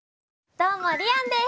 どうもりあんです！